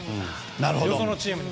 別のチームに。